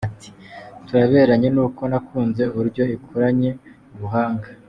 Ati” Turaberanye ni uko nakunze uburyo ikoranye ubuhanga.